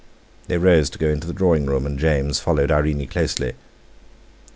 They rose to go into the drawing room, and James followed Irene closely.